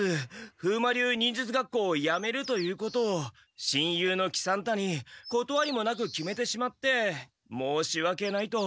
風魔流忍術学校をやめるということを親友の喜三太にことわりもなく決めてしまってもうしわけないと。